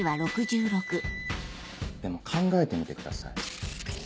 でも考えてみてください。